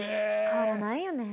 変わらないよね。